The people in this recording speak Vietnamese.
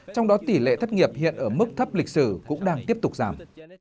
trong đó tỷ lệ thất nghiệp hiện ở mức thấp lịch sử cũng đang tiếp tục giảm